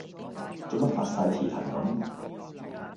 做乜發哂蹄騰咁